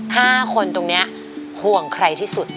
ห้าคนตรงนี้ห่วงใครที่สุด